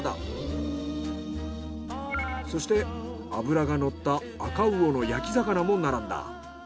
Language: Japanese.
そして脂が乗った赤魚の焼き魚も並んだ。